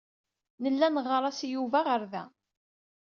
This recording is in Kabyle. Nella neɣɣar-as i Yuba aɣerday.